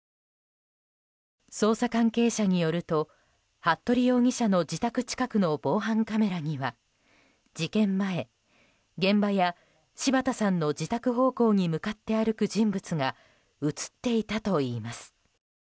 捜査関係者によると服部容疑者の自宅近くの防犯カメラには事件前、現場や柴田さんの自宅方向に向かって歩く人物が映っていたといいます。